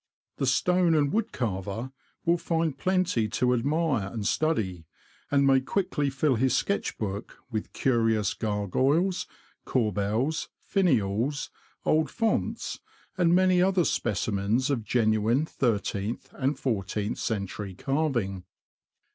The stone and wood carver will find plenty to admire and study, and may quickly fill his sketch book with curious gargoyles, corbels, finials, old fonts, and many other specimens of genuine thirteenth and fourteenth century carving.